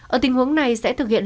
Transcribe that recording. ở tình huống này sẽ thực hiện